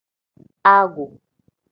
Ago.